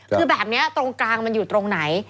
คือแบบนี้ตรงกลางมันอยู่ตรงไหน